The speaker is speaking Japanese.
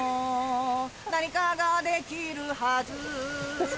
何かができるはず